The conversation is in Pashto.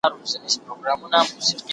کارکوونکې ښځې د خپل ژوند کنټرول احساسوي.